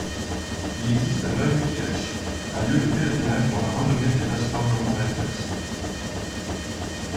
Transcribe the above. Il existe à Neunkirch un lieu de pèlerinage dont la renommée dépasse largement l'Alsace.